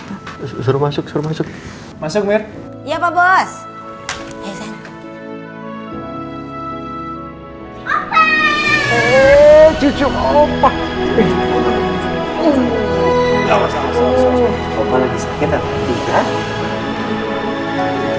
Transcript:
masalah sudah menyiapkan semuanya sebelum ngobrol sama ketopo